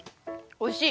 おいしい！